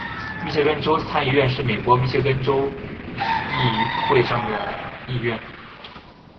密歇根州参议院是美国密歇根州议会的上议院。